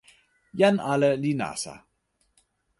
jan ale li nasa.